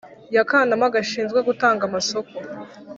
Y akanama gashinzwe gutanga amasoko